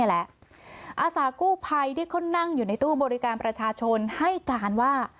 อาสากู้ภัยที่เขานั่งอยู่ในตู้บริการประชาชนให้การว่า